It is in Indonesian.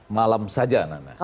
malam saja nana